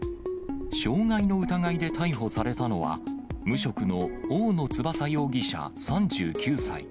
傷害の疑いで逮捕されたのは、無職の大野翼容疑者３９歳。